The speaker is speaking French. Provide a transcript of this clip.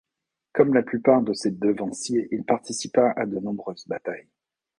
Comme la plupart de ses devanciers, il participa à de nombreuses batailles.